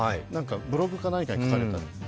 ブログか何かに書かれたと。